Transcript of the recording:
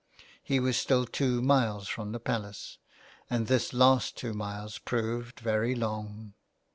He was still two miles from the Palace, and this last two miles proved very long.